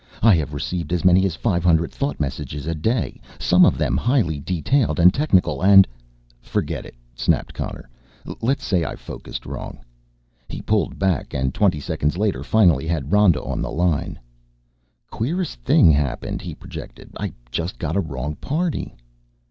"I have received as many as five hundred thought messages a day, some of them highly detailed and technical and " "Forget it," snapped Connor. "Let's say I focussed wrong." He pulled back and twenty seconds later finally had Rhoda on the line. "Queerest thing happened," he projected. "I just got a wrong party."